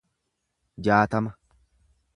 jaatama